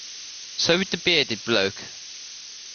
So with the bearded bloke.